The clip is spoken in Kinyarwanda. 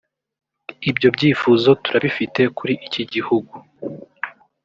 ibyo byifuzo turabifite kuri iki gihugu